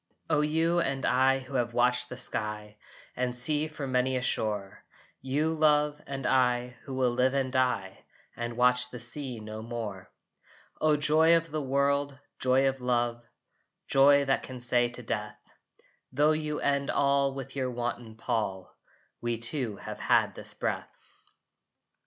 O you and I who have watched the sky And sea from many a shore! You, love, and I who will live and die And watch the sea no more! O joy of the world! Joy of love, Joy that can say to death, "Tho you end all with your wanton pall, We two have had this breath!"